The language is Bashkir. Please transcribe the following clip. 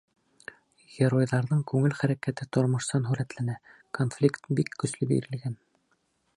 Геройҙарҙың күңел хәрәкәте тормошсан һүрәтләнә, конфликт бик көслө бирелгән.